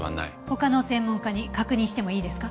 他の専門家に確認してもいいですか？